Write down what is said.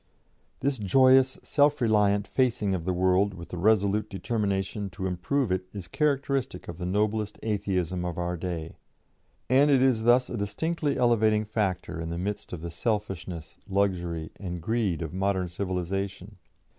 " This joyous, self reliant facing of the world with the resolute determination to improve it is characteristic of the noblest Atheism of our day. And it is thus a distintly elevating factor in the midst of the selfishness, luxury, and greed of modern civilisation.